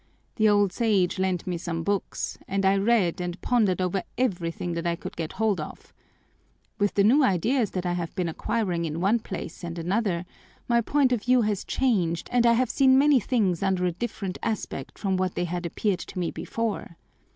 The old Sage lent me some books, and I read and pondered over everything that I could get hold of. With the new ideas that I have been acquiring in one place and another my point of view has changed and I have seen many things under a different aspect from what they had appeared to me before.